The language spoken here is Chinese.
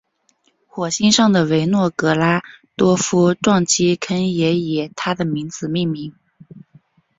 火星上的维诺格拉多夫撞击坑也以他的名字命名。